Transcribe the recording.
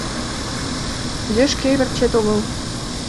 — Кузе шке верчет огыл?